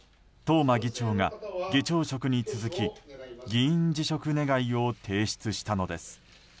東間議長が議長職に続き議員辞職願を提出したのです。